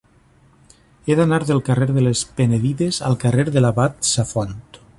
He d'anar del carrer de les Penedides al carrer de l'Abat Safont.